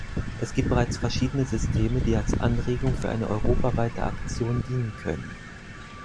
Es gibt bereits verschiedene Systeme, die als Anregung für eine europaweite Aktion dienen können.